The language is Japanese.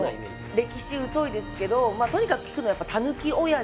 歴史疎いですけどまあとにかく聞くのはやっぱタヌキおやじ。